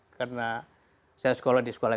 karena saya sekolah di sekolah